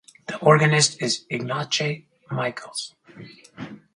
The organist is Ignace Michiels.